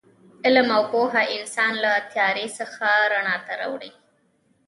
علم او پوهه انسان له تیاره څخه رڼا ته وړي.